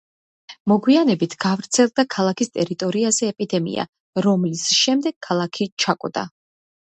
მოგვიანებით გავრცელდა ქალაქის ტერიტორიაზე ეპიდემია, რომლის შემდეგ ქალაქი ჩაკვდა.